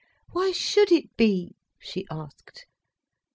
Why should it be?" she asked.